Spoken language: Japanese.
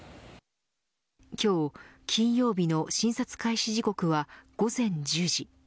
今日、金曜日の診察開始時刻は午前１０時。